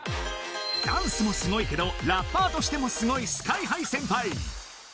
ダンスもすごいけどラッパーとしてもすごいＳＫＹ−ＨＩ先輩